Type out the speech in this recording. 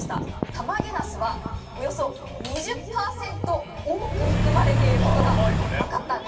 たまげなすはおよそ２０％多く含まれていることが分かったんです。